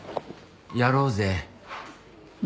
やろうぜ。